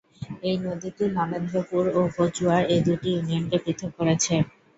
এই নদীটি নরেন্দ্রপুর ও কচুয়া এ দু'টি ইউনিয়নকে পৃথক করেছে।